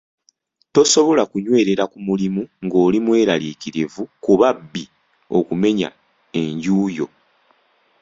Tosobola kunywerera ku mulimu ng'oli mweraliikirivu ku babbi okumenya enju yo.